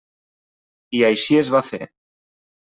I així es va fer.